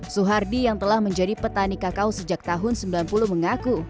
suhardi yang telah menjadi petani kakao sejak tahun sembilan puluh mengaku